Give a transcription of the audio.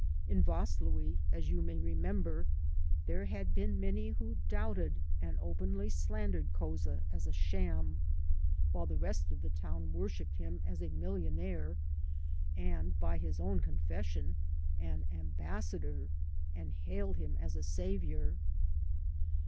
In Vaslui, as you may remember, there had been many who doubted and openly slandered Couza as a sham, while the rest of 63 AN AMERICAN IN THE MAKING the town worshiped him as a millionaire and (by his own confession) an ambassador, and hailed him as a savior.